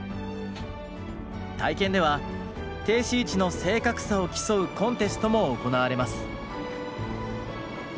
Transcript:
体験では停止位置の正確さを競うコンテストも行われます。